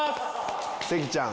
関ちゃん。